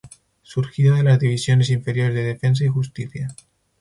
Surgido de las divisiones inferiores de Defensa y Justicia.